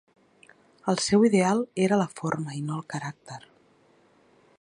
El seu ideal era la forma i no el caràcter.